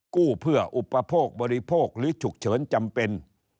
กู้เพื่ออุปโภคบริโภคหรือฉุกเฉินจำเป็น